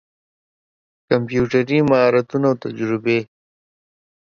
کمپيوټري مهارتونه او تجربې